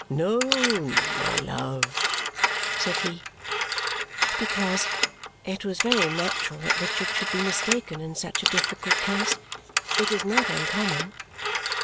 "No, my love," said he. "Because it was very natural that Richard should be mistaken in such a difficult case. It is not uncommon."